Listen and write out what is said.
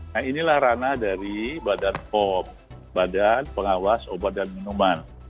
nah inilah ranah dari badan pop badan pengawas obat dan minuman